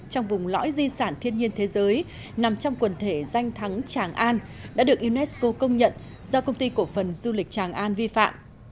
trong vùng lõi di sản thiên nhiên thế giới nằm trong quần thể danh thắng tràng an đã được unesco công nhận do công ty cổ phần du lịch tràng an vi phạm